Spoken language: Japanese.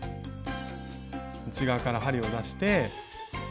内側から針を出して。